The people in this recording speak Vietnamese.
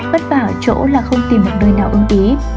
vất vả ở chỗ là không tìm được nơi nào ứng ý